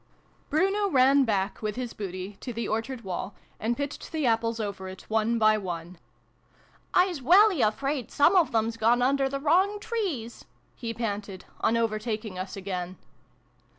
Bruno ran back, with his booty, to the orchard wall, and pitched the apples over it one by one. " I's welly afraid some of them's gone under the wrong trees !" he panted, on overtaking us again.